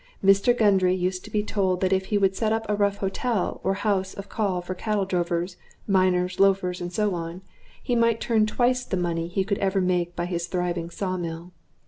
Mr. Gundry used to be told that if he would set up a rough hotel, or house of call for cattle drovers, miners, loafers, and so on, he might turn twice the money he could ever make by his thriving saw mill.